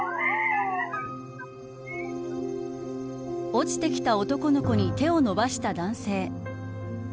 落ちてきた男の子に手を伸ばした男性。